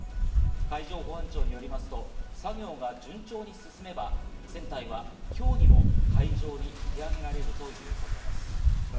海上保安庁によりますと、作業が順調に進めば船体は今日にも海上に引き揚げられるということです。